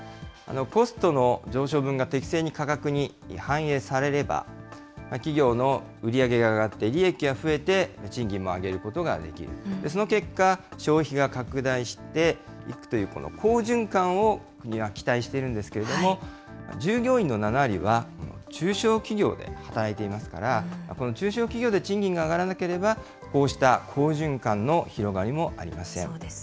コストの上昇分が適正に価格に反映されれば、企業の売り上げが上がって、利益は増えて、賃金も上げることができる、その結果、消費が拡大していくという、好循環を国は期待しているんですけれども、従業員の７割は中小企業で働いていますから、この中小企業で賃金が上がらなければ、こうした好循環の広がりもありません。